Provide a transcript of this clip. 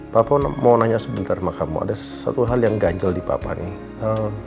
papa mau nanya sebentar sama kamu ada satu hal yang ganjel di papa nih